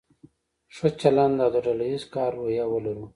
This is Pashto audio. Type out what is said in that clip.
ښه چلند او د ډله ایز کار روحیه ولرو.